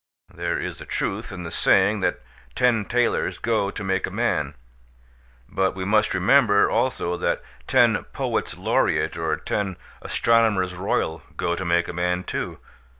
There is a truth in the saying that ten tailors go to make a man; but we must remember also that ten Poets Laureate or ten Astronomers Royal go to make a man, too.